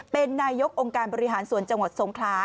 เป็นนายกองค์การบริหารส่วนจังหวัดสงครา